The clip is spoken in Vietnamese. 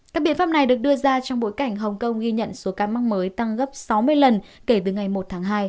các biện pháp này được đưa ra trong bối cảnh hồng kông ghi nhận số ca mắc mới tăng gấp sáu mươi lần kể từ ngày một tháng hai